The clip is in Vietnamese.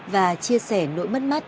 và chia sẻ nỗi mất mắt